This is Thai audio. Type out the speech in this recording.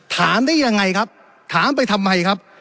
ได้ยังไงครับถามไปทำไมครับ